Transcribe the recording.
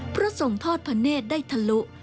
พระทรงทอดพระเนธได้ทะลุ